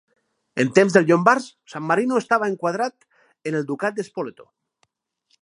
En temps dels llombards San Marino estava enquadrat en el Ducat de Spoleto.